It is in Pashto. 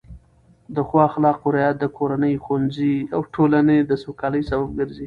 د ښو اخلاقو رعایت د کورنۍ، ښوونځي او ټولنې د سوکالۍ سبب ګرځي.